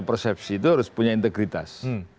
persepsi itu harus punya integritas